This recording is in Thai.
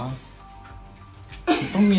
มันต้องมี